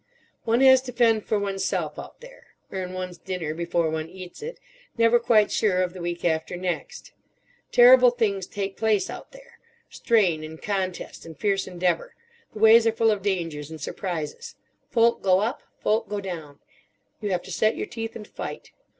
One has to fend for oneself, out there; earn one's dinner before one eats it, never quite sure of the week after next. Terrible things take place, out there: strain and contest and fierce endeavour; the ways are full of dangers and surprises; folk go up, folk go down; you have to set your teeth and fight.